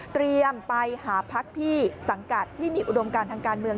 ไปหาพักที่สังกัดที่มีอุดมการทางการเมือง